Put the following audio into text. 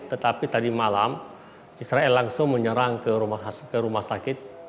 tetapi tadi malam israel langsung menyerang ke rumah sakit